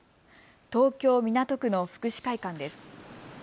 東京港区の福祉会館です。